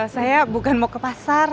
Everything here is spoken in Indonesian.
saya bukan mau ke pasar